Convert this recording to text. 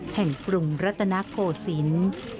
แห่งกรุงรัตนโกศิลป์